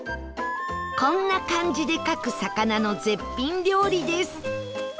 こんな漢字で書く魚の絶品料理です